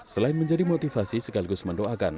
selain menjadi motivasi sekaligus mendoakan